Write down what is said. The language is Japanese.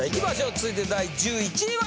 続いて第１１位は！